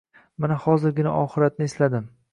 Mana hozirgina oxiratni esladim